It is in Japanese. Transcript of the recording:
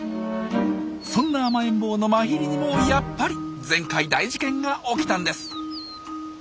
そんな甘えん坊のマヒリにもやっぱり前回大事件が起きたんです。